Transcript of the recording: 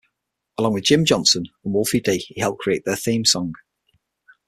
Along with Jim Johnston and Wolfie D, he helped create their theme song.